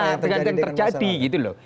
tutup mata dengan apa yang terjadi gitu loh